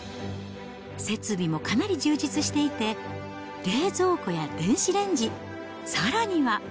設備もかなり充実していて、冷蔵庫や電子レンジ、さらには。